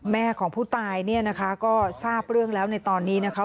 แม่ของผู้ตายเนี่ยนะคะก็ทราบเรื่องแล้วในตอนนี้นะคะ